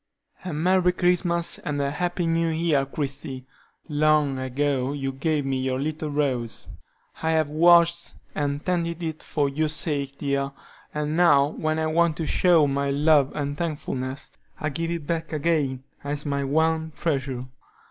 "A merry Christmas and a happy New Year, Christie! Long ago you gave me your little rose; I have watched and tended it for your sake, dear, and now when I want to show my love and thankfulness, I give it back again as my one treasure.